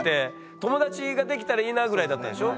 友達ができたらいいなぐらいだったんでしょ？